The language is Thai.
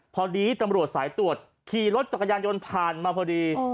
พอดีตำรวจสายตรวจขี่รถจักรยานยนต์ผ่านมาพอดี